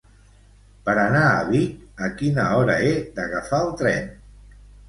Per anar a Vic, a quina hora he d'agafar el tren?